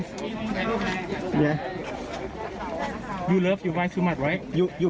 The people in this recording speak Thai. คุณรักคุณเธอมากใช่ไหม